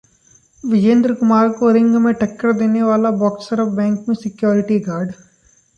विजेंद्र कुमार को रिंग में टक्कर देने वाला बॉक्सर अब बैंक में सिक्योरिटी गार्ड